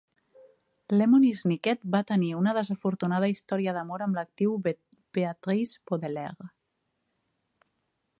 Lemony Snicket va tenir una desafortunada història d'amor amb l'actriu Beatrice Baudelaire.